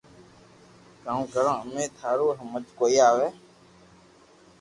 ڪاوُ ڪرو امي ٿارو ھمج ڪوئي ّ